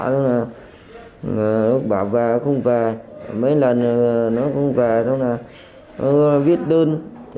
vợ cãi nhau bỏ về không về mấy lần nó không về xong rồi nó viết đơn